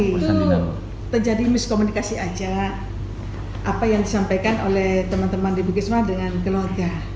terjadi miskomunikasi aja apa yang disampaikan oleh teman teman di bukisma dengan keluarga